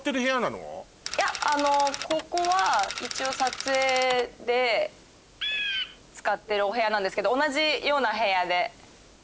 いやここは一応撮影で使ってるお部屋なんですけど同じような部屋で。